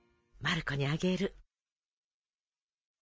「まる子にあげる」